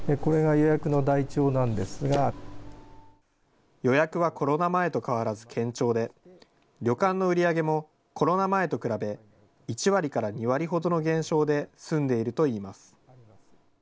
予約はコロナ前と変わらず堅調で、旅館の売り上げもコロナ前と比べ、１割から２割ほどの減少ですんでいるといいます。